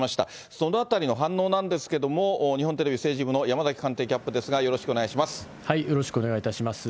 そのあたりの反応なんですけれども、日本テレビ政治部の山崎官邸キャップですが、よろしくお願いしまよろしくお願いいたします。